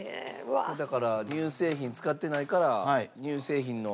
だから乳製品使ってないから乳製品の。